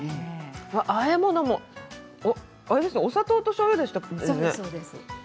あえ物もお砂糖とおしょうゆだけでしたよね。